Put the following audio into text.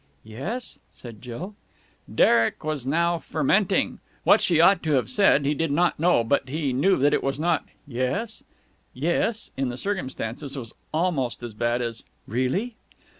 "Yes?" said Jill. Derek was now fermenting. What she ought to have said, he did not know, but he knew that it was not "Yes?" "Yes?" in the circumstances was almost as bad as "Really?"